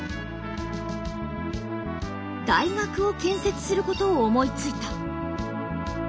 大学を建設することを思いついた。